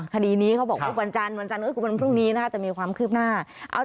คดีนี้เขาบอกว่าวันจันทร์วันพรุ่งนี้จะมีความคืบหน้า